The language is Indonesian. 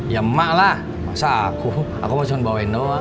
ya emak lah masa aku aku mau cuman bawain doang